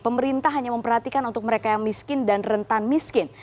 pemerintah hanya memperhatikan untuk mereka yang miskin dan rentan miskin